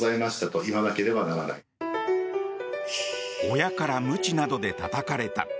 親からむちなどでたたかれた。